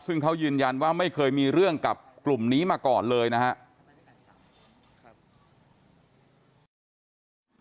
ซึ่งเขายืนยันว่าไม่เคยมีเรื่องกับกลุ่มนี้มาก่อนเลยนะครับ